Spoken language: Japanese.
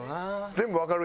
全部わかる？